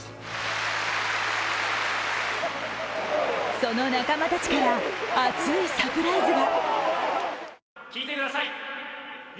その仲間たちから、熱いサプライズが。